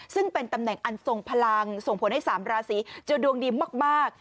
ซึ่งเป็นตำแหน่งอันทรงพลังส่งผลให้๓ราศีจะดวงดีมาก